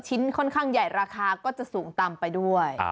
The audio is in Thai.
ชิ้นค่อนข้างใหญ่ราคาก็จะสูงต่ำไปด้วย